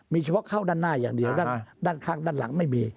มีเฉพาะเข้าด้านหน้าอย่างเดียวด้านข้างด้านหลังไม่มี